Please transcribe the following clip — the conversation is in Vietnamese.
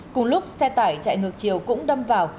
cùng lúc xe tải chạy ngược chiều cũng đâm vào